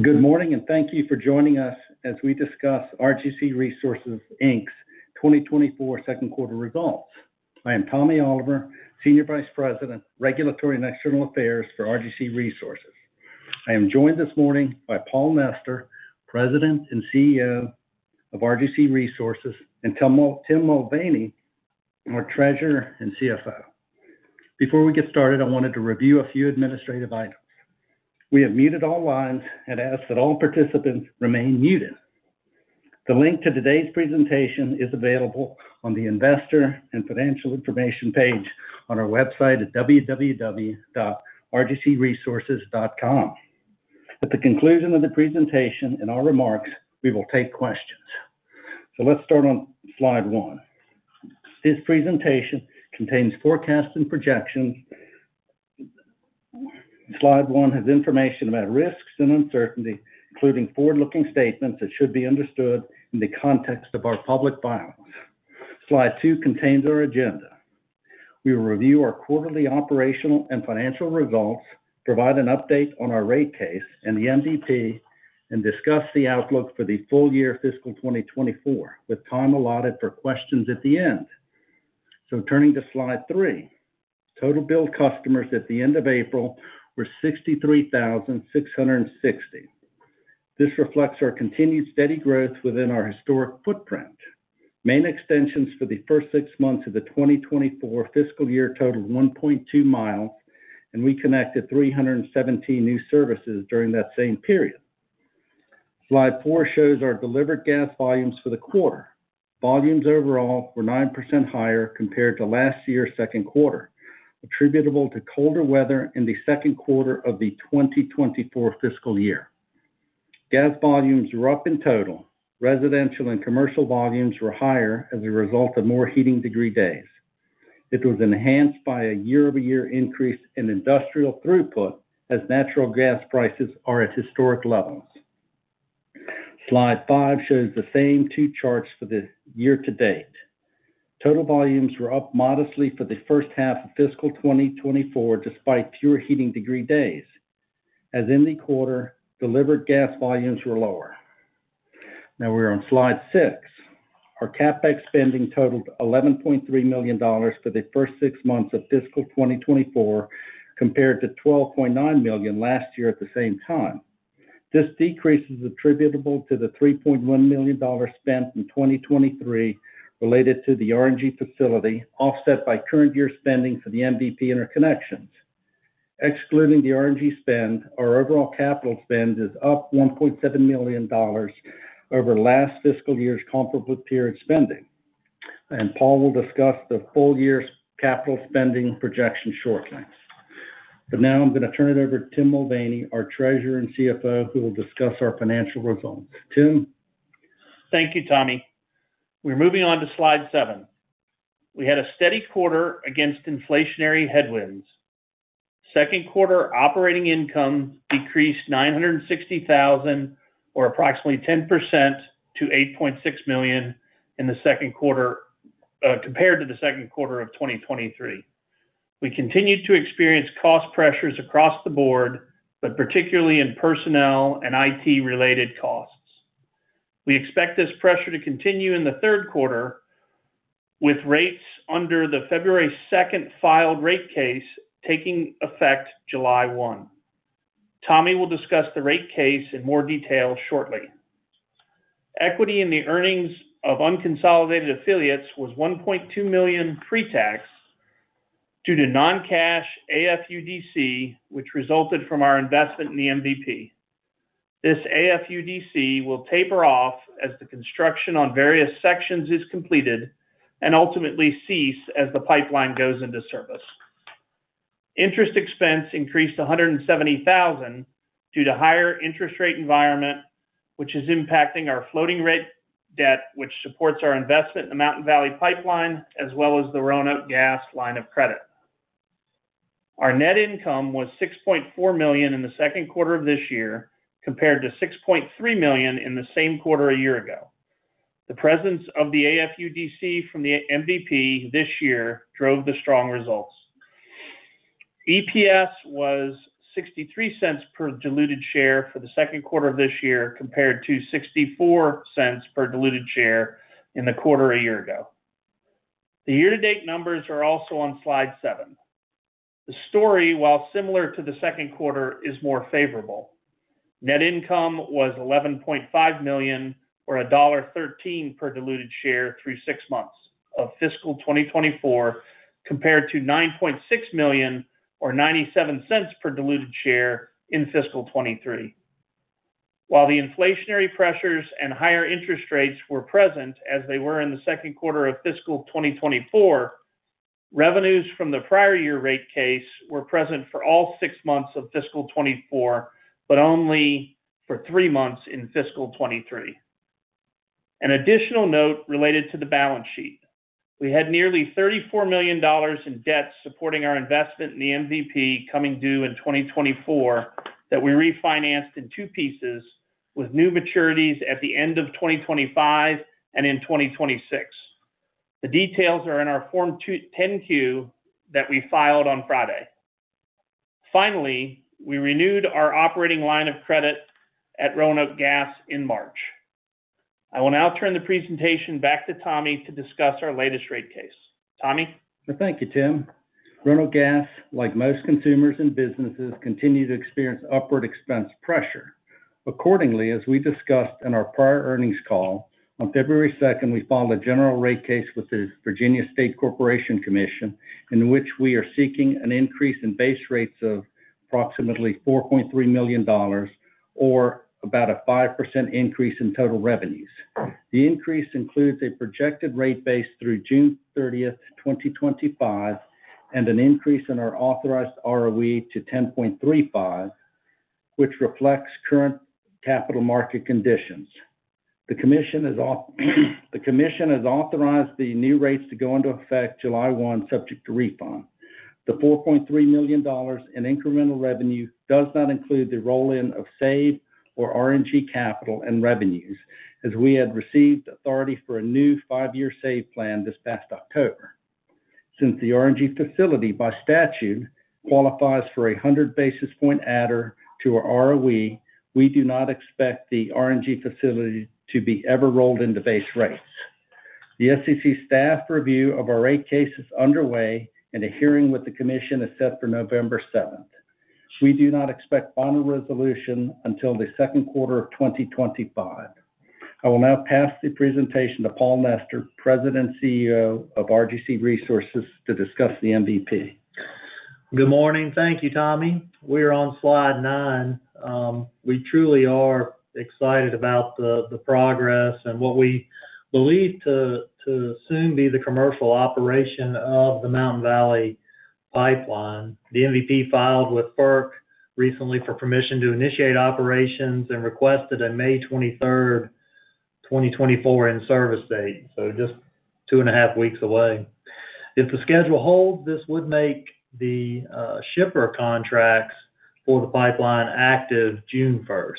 Good morning, and thank you for joining us as we discuss RGC Resources Inc's 2024 Second Quarter Results. I am Tommy Oliver, Senior Vice President, Regulatory and External Affairs for RGC Resources. I am joined this morning by Paul Nester, President and CEO of RGC Resources, and Tim Mulvaney, our Treasurer and CFO. Before we get started, I wanted to review a few administrative items. We have muted all lines and ask that all participants remain muted. The link to today's presentation is available on the Investor and Financial Information page on our website at www.rgcresources.com. At the conclusion of the presentation and our remarks, we will take questions. So let's start on slide one. This presentation contains forecasts and projections. Slide one has information about risks and uncertainty, including forward-looking statements that should be understood in the context of our public filings. Slide two contains our agenda. We will review our quarterly operational and financial results, provide an update on our rate case and the MVP, and discuss the outlook for the full year fiscal 2024, with time allotted for questions at the end. So turning to slide three. Total billed customers at the end of April were 63,600. This reflects our continued steady growth within our historic footprint. Main extensions for the first six months of the 2024 fiscal year totaled 1.2 miles, and we connected 317 new services during that same period. Slide four shows our delivered gas volumes for the quarter. Volumes overall were 9% higher compared to last year's second quarter, attributable to colder weather in the second quarter of the 2024 fiscal year. Gas volumes were up in total. Residential and commercial volumes were higher as a result of more heating degree days. It was enhanced by a year-over-year increase in industrial throughput as natural gas prices are at historic levels. Slide five shows the same two charts for the year-to-date. Total volumes were up modestly for the first half of fiscal 2024, despite fewer heating degree days. As in the quarter, delivered gas volumes were lower. Now we're on slide six. Our CapEx spending totaled $11.3 million for the first six months of fiscal 2024, compared to $12.9 million last year at the same time. This decrease is attributable to the $3.1 million spent in 2023 related to the RNG facility, offset by current year spending for the MVP Interconnections. Excluding the RNG spend, our overall capital spend is up $1.7 million over last fiscal year's comparable period spending. Paul will discuss the full year's capital spending projection shortly. Now I'm going to turn it over to Tim Mulvaney, our Treasurer and CFO, who will discuss our financial results. Tim? Thank you, Tommy. We're moving on to slide seven. We had a steady quarter against inflationary headwinds. Second quarter operating income decreased $960,000, or approximately 10% to $8.6 million in the second quarter, compared to the second quarter of 2023. We continued to experience cost pressures across the board, but particularly in personnel and IT-related costs. We expect this pressure to continue in the third quarter, with rates under the February 2nd filed rate case taking effect July 1st. Tommy will discuss the rate case in more detail shortly. Equity in the earnings of unconsolidated affiliates was $1.2 million pre-tax due to non-cash AFUDC, which resulted from our investment in the MVP. This AFUDC will taper off as the construction on various sections is completed and ultimately cease as the pipeline goes into service. Interest expense increased to $170,000 due to higher interest rate environment, which is impacting our floating rate debt, which supports our investment in the Mountain Valley Pipeline, as well as the Roanoke Gas line of credit. Our net income was $6.4 million in the second quarter of this year, compared to $6.3 million in the same quarter a year ago. The presence of the AFUDC from the MVP this year drove the strong results. EPS was $0.63 per diluted share for the second quarter of this year, compared to $0.64 per diluted share in the quarter a year ago. The year-to-date numbers are also on slide seven. The story, while similar to the second quarter, is more favorable. Net income was $11.5 million, or $1.13 per diluted share through the first six months of fiscal 2024, compared to $9.6 million, or $0.97 per diluted share in fiscal 2023. While the inflationary pressures and higher interest rates were present as they were in the second quarter of fiscal 2024, revenues from the prior year rate case were present for all six months of fiscal 2024, but only for three months in fiscal 2023. An additional note related to the balance sheet. We had nearly $34 million in debt supporting our investment in the MVP coming due in 2024, that we refinanced in two pieces with new maturities at the end of 2025 and in 2026.... The details are in our Form 10-Q that we filed on Friday. Finally, we renewed our operating line of credit at Roanoke Gas in March. I will now turn the presentation back to Tommy to discuss our latest rate case. Tommy? Well, thank you, Tim. Roanoke Gas, like most consumers and businesses, continue to experience upward expense pressure. Accordingly, as we discussed in our prior earnings call, on February 2nd, we filed a general rate case with the Virginia State Corporation Commission, in which we are seeking an increase in base rates of approximately $4.3 million or about a 5% increase in total revenues. The increase includes a projected rate base through June 30th, 2025, and an increase in our authorized ROE to 10.35, which reflects current capital market conditions. The commission has authorized the new rates to go into effect July 1st, subject to refund. The $4.3 million in incremental revenue does not include the roll-in of SAVE or RNG capital and revenues, as we had received authority for a new five-year SAVE plan this past October. Since the RNG facility, by statute, qualifies for a 100 basis points adder to our ROE, we do not expect the RNG facility to be ever rolled into base rates. The SCC staff review of our rate case is underway, and a hearing with the commission is set for November seventh. We do not expect final resolution until the second quarter of 2025. I will now pass the presentation to Paul Nester, President and CEO of RGC Resources, to discuss the MVP. Good morning. Thank you, Tommy. We're on slide nine. We truly are excited about the progress and what we believe to soon be the commercial operation of the Mountain Valley Pipeline. The MVP filed with FERC recently for permission to initiate operations and requested a May 23rd, 2024, in-service date, so just two and a half weeks away. If the schedule holds, this would make the shipper contracts for the pipeline active June 1st.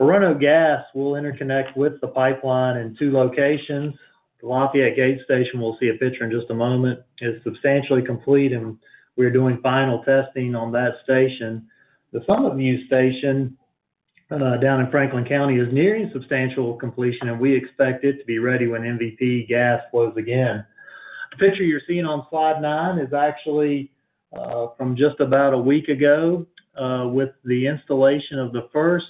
For Roanoke Gas, we'll interconnect with the pipeline in two locations. The Lafayette Gate Station, we'll see a picture in just a moment, is substantially complete, and we're doing final testing on that station. The Summit View Station down in Franklin County is nearing substantial completion, and we expect it to be ready when MVP gas flows again. The picture you're seeing on slide nine is actually from just about a week ago with the installation of the first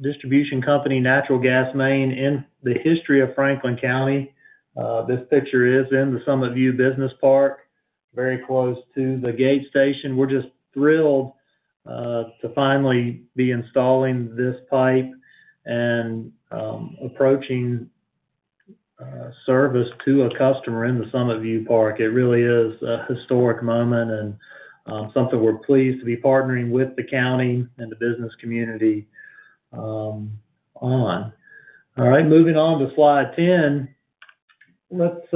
distribution company Natural Gas Main in the history of Franklin County. This picture is in the Summit View Business Park, very close to the gate station. We're just thrilled to finally be installing this pipe and approaching service to a customer in the Summit View Park. It really is a historic moment and something we're pleased to be partnering with the county and the business community on. All right, moving on to slide 10. Let's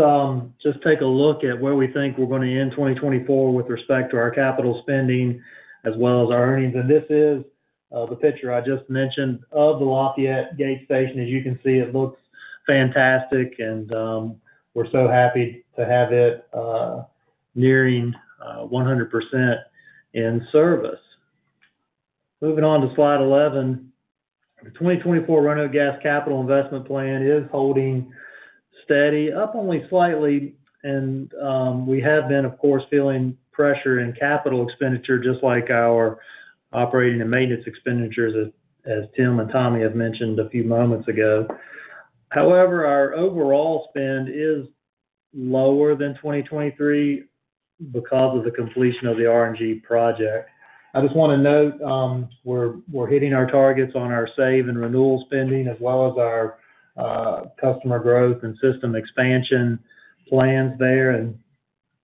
just take a look at where we think we're going to end 2024 with respect to our capital spending as well as our earnings. And this is the picture I just mentioned of the Lafayette Gate Station. As you can see, it looks fantastic, and we're so happy to have it nearing 100% in service. Moving on to slide 11. The 2024 Roanoke Gas capital investment plan is holding steady, up only slightly, and we have been, of course, feeling pressure in capital expenditure, just like our operating and maintenance expenditures, as Tim and Tommy have mentioned a few moments ago. However, our overall spend is lower than 2023 because of the completion of the RNG project. I just want to note, we're hitting our targets on our SAVE and renewal spending, as well as our customer growth and system expansion plans there. And,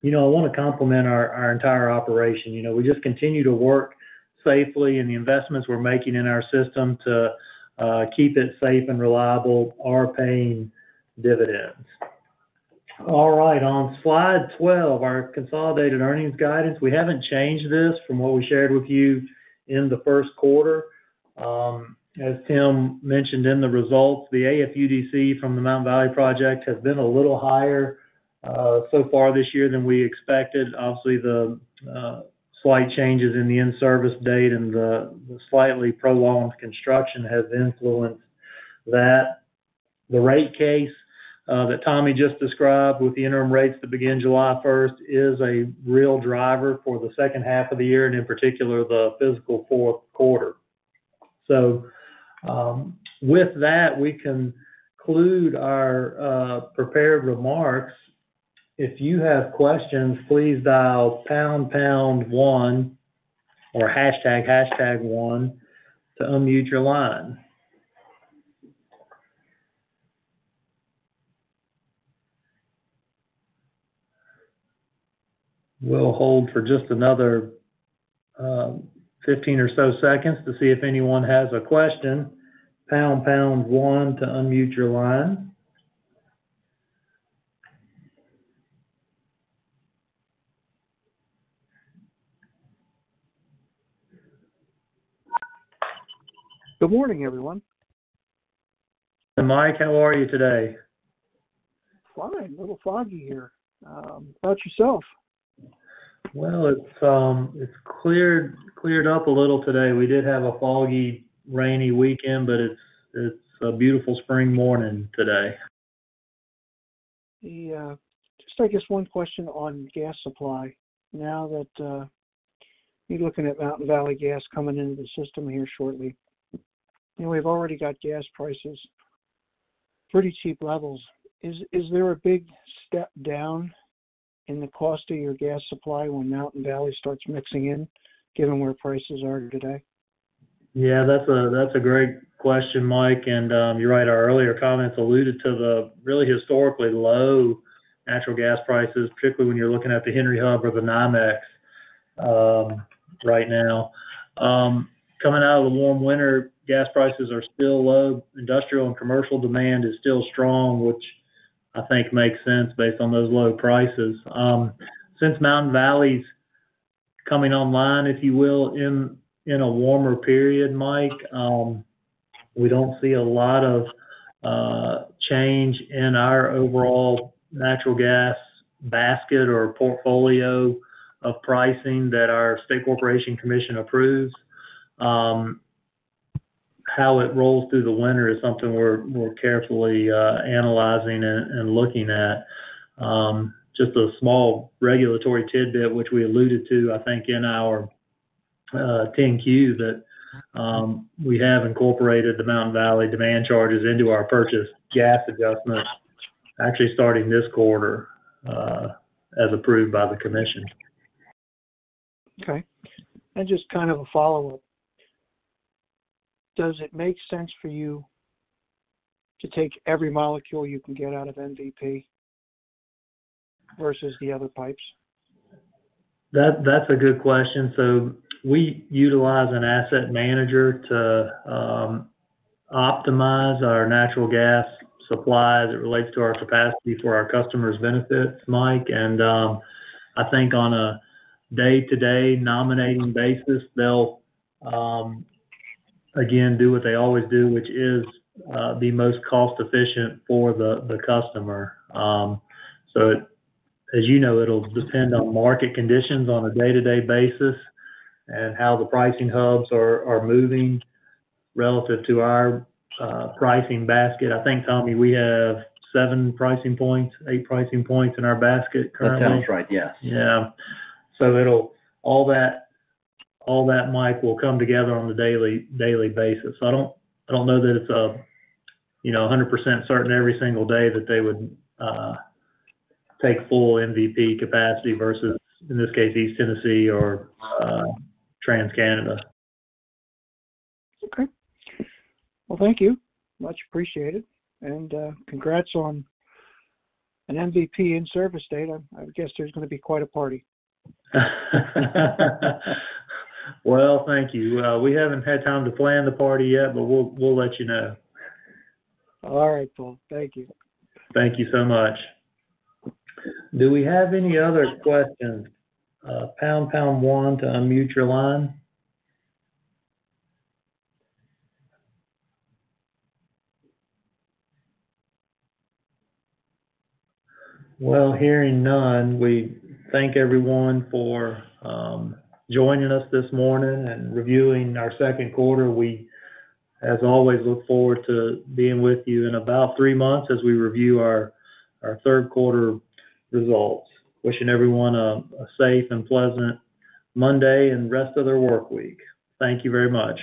you know, I want to compliment our entire operation. You know, we just continue to work safely, and the investments we're making in our system to keep it safe and reliable are paying dividends. All right, on slide 12, our consolidated earnings guidance. We haven't changed this from what we shared with you in the first quarter. As Tim mentioned in the results, the AFUDC from the Mountain Valley project has been a little higher so far this year than we expected. Obviously, the slight changes in the in-service date and the slightly prolonged construction has influenced that. The rate case that Tommy just described with the interim rates that begin July first is a real driver for the second half of the year, and in particular, the fiscal fourth quarter. So, with that, we conclude our prepared remarks. If you have questions, please dial pound, pound one, or hashtag, hashtag one to unmute your line. We'll hold for just another 15 or so seconds to see if anyone has a question. Pound, pound one to unmute your line.... Good morning, everyone. Hi, Mike, how are you today? Fine. A little foggy here. How about yourself? Well, it's cleared up a little today. We did have a foggy, rainy weekend, but it's a beautiful spring morning today. Just, I guess one question on gas supply. Now that you're looking at Mountain Valley gas coming into the system here shortly, and we've already got gas prices pretty cheap levels, is there a big step down in the cost of your gas supply when Mountain Valley starts mixing in, given where prices are today? Yeah, that's a great question, Mike. And, you're right, our earlier comments alluded to the really historically low natural gas prices, particularly when you're looking at the Henry Hub or the NYMEX, right now. Coming out of the warm winter, gas prices are still low. Industrial and commercial demand is still strong, which I think makes sense based on those low prices. Since Mountain Valley's coming online, if you will, in a warmer period, Mike, we don't see a lot of change in our overall natural gas basket or portfolio of pricing that our State Corporation Commission approves. How it rolls through the winter is something we're carefully analyzing and looking at. Just a small regulatory tidbit, which we alluded to, I think, in our 10-Q, that we have incorporated the Mountain Valley demand charges into our purchased gas adjustments, actually, starting this quarter, as approved by the Commission. Okay. Just kind of a follow-up. Does it make sense for you to take every molecule you can get out of MVP versus the other pipes? That, that's a good question. So we utilize an asset manager to optimize our natural gas supply as it relates to our capacity for our customers' benefit, Mike. And I think on a day-to-day nominating basis, they'll again do what they always do, which is the most cost-efficient for the customer. So as you know, it'll depend on market conditions on a day-to-day basis and how the pricing hubs are moving relative to our pricing basket. I think, Tommy, we have seven pricing points, eight pricing points in our basket currently? That sounds right, yes. Yeah. So it'll all that, Mike, will come together on a daily basis. So I don't know that it's, you know, 100% certain every single day that they would take full MVP capacity versus, in this case, East Tennessee or TransCanada. Okay. Well, thank you. Much appreciated, and congrats on an MVP in-service date. I guess there's gonna be quite a party. Well, thank you. We haven't had time to plan the party yet, but we'll let you know. All right, cool. Thank you. Thank you so much. Do we have any other questions? Pound, pound one to unmute your line. Hearing none, we thank everyone for joining us this morning and reviewing our second quarter. We, as always, look forward to being with you in about three months as we review our third quarter results. Wishing everyone a safe and pleasant Monday and rest of their workweek. Thank you very much.